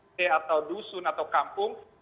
t atau dusun atau kampung